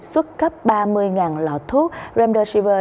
xuất cấp ba mươi lọ thuốc remdesivir